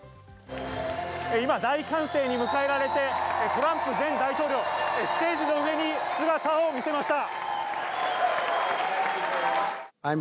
今、大歓声に迎えられ、トランプ前大統領、ステージの上に姿を見せました。